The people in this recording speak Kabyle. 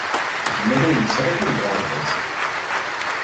Gma la iyi-yettṛaju deg uɣerbaz.